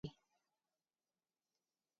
انسانان باید د خپل عمر په اړه سم فکر وکړي.